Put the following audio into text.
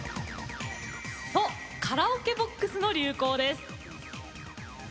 カラオケボックスの流行です。